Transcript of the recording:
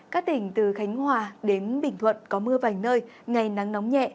các tỉnh từ khánh hòa đến bình thuận có mưa vài nơi ngày nắng nóng nhẹ